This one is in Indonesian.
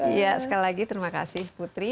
iya sekali lagi terima kasih putri